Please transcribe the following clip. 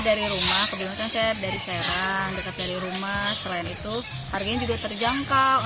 selain itu harganya juga terjangkau